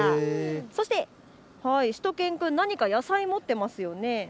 そして、しゅと犬くん、何か野菜を持っていますね。